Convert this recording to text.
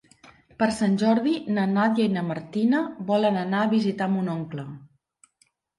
Per Sant Jordi na Nàdia i na Martina volen anar a visitar mon oncle.